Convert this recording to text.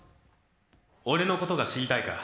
俺のことが知りたいか？